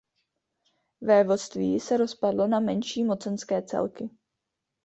Vévodství se rozpadlo na menší mocenské celky.